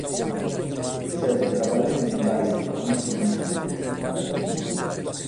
"Semus traballende in paris cun is commerciantes", at agiuntu.